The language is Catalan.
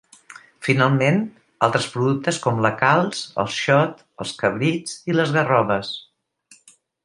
Finalment altres productes com la calç, el xot, els cabrits i les garroves.